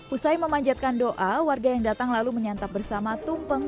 usai memanjatkan doa warga yang datang lalu menyantap bersama tumpeng